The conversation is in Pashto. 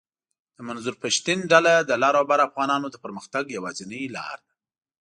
د منظور پشتین ډله د لر اوبر افغانانو د پرمختګ یواځنۍ لار ده